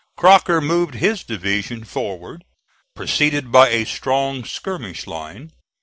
Crocker moved his division forward, preceded by a strong skirmish line.